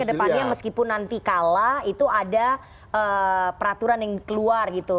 artinya ke depannya meskipun nanti kalah itu ada peraturan yang keluar gitu